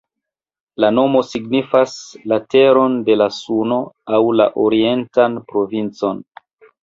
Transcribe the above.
La nomo signifas "la teron de la Suno" aŭ "la orientan provincon.